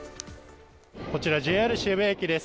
こちらＪＲ渋谷駅です。